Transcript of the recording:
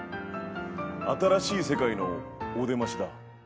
新しい世界のお出ましだ。